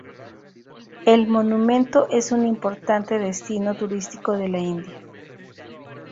El monumento es un importante destino turístico de la India.